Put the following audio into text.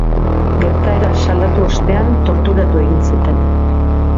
Gertaera salatu ostean, torturatu egin zuten.